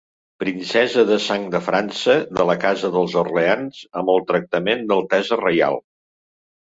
Princesa de sang de França de la casa dels Orleans amb el tractament d'altesa reial.